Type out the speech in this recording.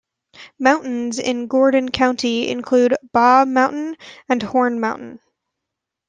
Mountains in Gordon County include Baugh Mountain and Horn Mountain.